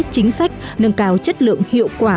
chính sách nâng cao chất lượng hiệu quả